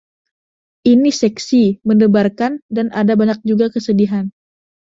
Ini seksi, mendebarkan dan ada banyak juga kesedihan.